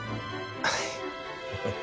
はい。